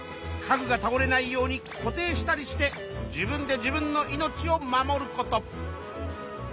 家具がたおれないように固定したりして自分で自分の命を守ること。